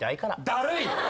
だるい。